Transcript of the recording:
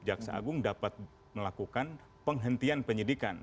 jaksa agung dapat melakukan penghentian penyidikan